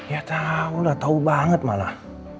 ya tau lah tau banget malah